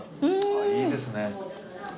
いいですね。